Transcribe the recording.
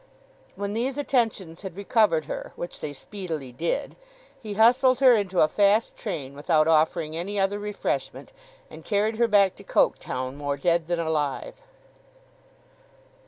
When these attentions had recovered her (which they speedily did), he hustled her into a fast train without offering any other refreshment, and carried her back to Coketown more dead than alive.